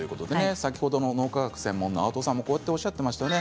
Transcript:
先ほどの脳科学者青砥さんもこうおっしゃっていました。